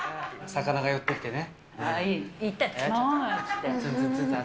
魚が寄ってきてね。